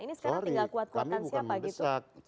ini sekarang tinggal kekuatan siapa gitu